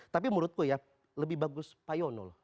tapi menurutku ya lebih bagus pak yono loh